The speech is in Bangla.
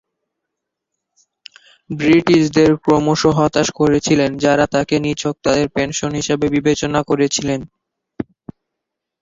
ব্রিটিশদের ক্রমশ হতাশ করেছিলেন, যারা তাঁকে নিছক তাদের পেনশন হিসাবে বিবেচনা করেছিলেন।